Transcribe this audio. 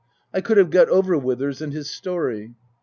I could have got over Withers and his story.